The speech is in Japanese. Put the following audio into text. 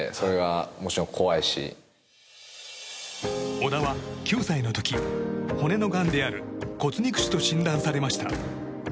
小田は、９歳の時骨のがんである骨肉腫と診断されました。